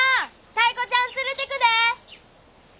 タイ子ちゃん連れてくで！